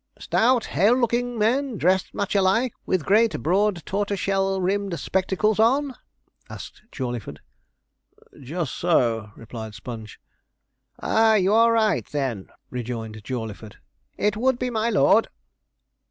'Stout, hale looking men, dressed much alike, with great broad tortoise shell rimmed spectacles on?' asked Jawleyford. 'Just so,' replied Sponge. 'Ah, you are right, then,' rejoined Jawleyford; 'it would be my lord.'